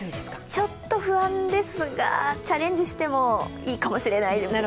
ちょっと不安ですが、チャレンジしてもいいかもしれない、微妙ですね。